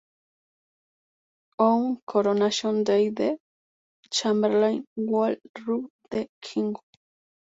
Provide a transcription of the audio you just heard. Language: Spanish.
On coronation day the chamberlain would robe the king.